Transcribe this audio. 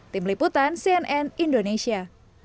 tim liputan cnn indonesia